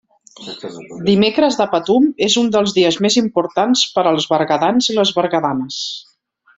Dimecres de Patum és un dels dies més importants per als berguedans i les berguedanes.